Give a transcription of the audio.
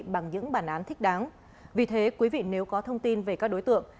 bằng những bản án thích đáng vì thế quý vị nếu có thông tin về các đối tượng